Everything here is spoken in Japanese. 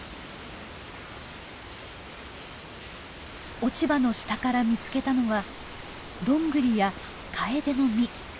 落ち葉の下から見つけたのはドングリやカエデの実。